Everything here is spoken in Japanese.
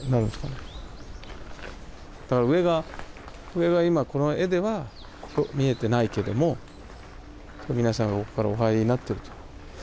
上が今この絵では見えてないけども皆さんがここからお入りになってるということなんですかね。